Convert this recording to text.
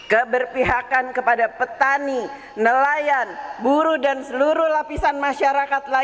keberpihakan kepada petani nelayan buruh dan seluruh lapisan masyarakat